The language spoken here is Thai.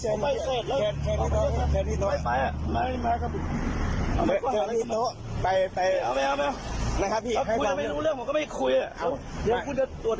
ให้เกียรติโดยภาพหน้าที่ด้วย